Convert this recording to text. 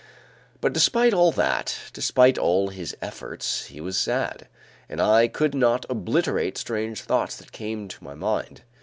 But despite all that, despite all his efforts, he was sad, and I could not obliterate strange thoughts that came to my mind.